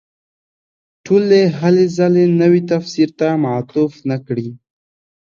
ټولې هلې ځلې نوي تفسیر ته معطوف نه کړي.